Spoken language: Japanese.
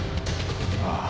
ああ。